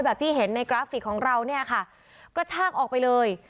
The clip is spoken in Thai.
ที่เห็นในกราฟิกของเราเนี่ยค่ะกระชากออกไปเลย